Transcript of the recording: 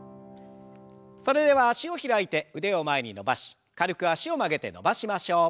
それでは脚を開いて腕を前に伸ばし軽く脚を曲げて伸ばしましょう。